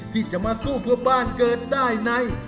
ที่จะมาสู้เพื่อบ้านเกิดได้ใน